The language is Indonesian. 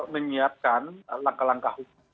menyiapkan langkah langkah hukum